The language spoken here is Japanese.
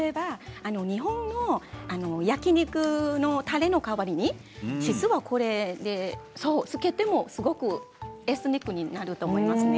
日本の焼き肉のたれの代わりにつけてもすごくエスニックになると思いますね。